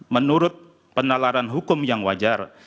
menurut penalaran hukum yang wajar